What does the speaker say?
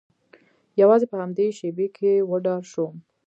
یوازې په همدې شیبې کې وډار شوم